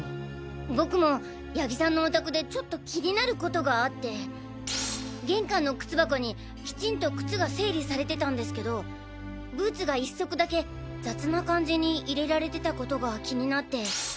僕も谷木さんのお宅でちょっと気になることがあって玄関のクツ箱にキチンとクツが整理されてたんですけどブーツが１足だけ雑な感じに入れられてた事が気になって。